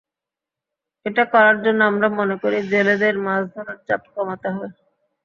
এটা করার জন্য আমরা মনে করি, জেলেদের মাছধরার চাপ কমাতে হবে।